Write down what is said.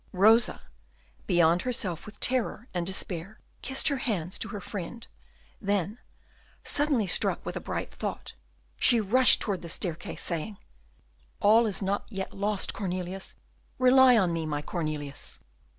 Rosa, beyond herself with terror and despair, kissed her hands to her friend; then, suddenly struck with a bright thought, she rushed toward the staircase, saying, "All is not yet lost, Cornelius. Rely on me, my Cornelius."